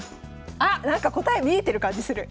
あっなんか答え見えてる感じする！